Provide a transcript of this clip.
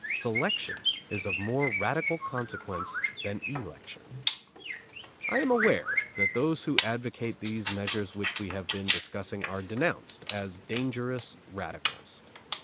Selection is of more radical consequence than election. I am aware that those who advocate these measures which we have been discussing are denounced as dangerous radicals.